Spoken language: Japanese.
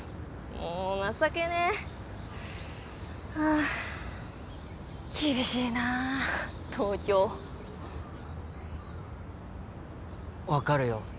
もう情けねえはあ厳しいな東京分かるよ